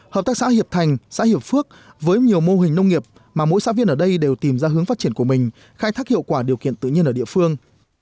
hợp tác xã hiệp thành xã hiệp phước với nhiều mô hình nông nghiệp mà mỗi xã viên ở đây đều tìm ra hướng phát triển của mình khai thác hiệu quả điều kiện tự nhiên ở địa phương